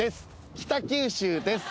北九州です。